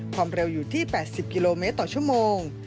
ความเร็วอยู่ที่๘๐กิโลเมตรต่อชั่วโมง